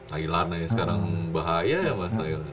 thailand aja sekarang bahaya ya mas thailand